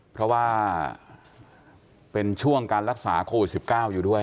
เพราะว่าเป็นช่วงการรักษาโควิด๑๙อยู่ด้วย